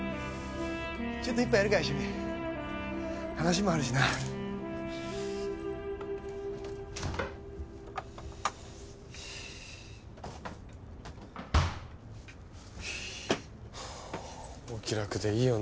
ちょっと一杯やるか話もあるしなお気楽でいいよね